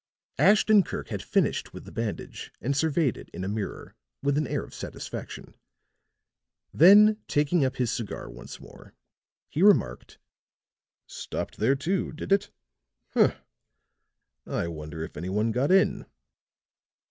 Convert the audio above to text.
Ashton Kirk had finished with the bandage and surveyed it, in a mirror, with an air of satisfaction. Then taking up his cigar once more, he remarked: "Stopped there, too, did it? Humph! I wonder if any one got in?"